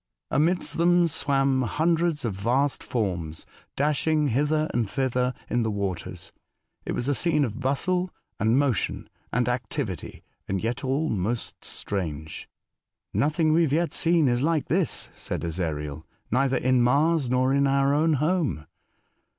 Amidst them swam hundreds of vast forms, dashing hither and thither in the waters. It was a scene of bustle, and motion, and activity, yet all most strange. " Nothing we have yet seen is like this," said Ezariel. "Neither in Mars nor in our own home."